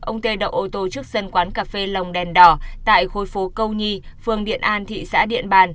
ông tê đậu ô tô trước sân quán cà phê lồng đèn đỏ tại khối phố câu nhì phường điện an thị xã điện bàn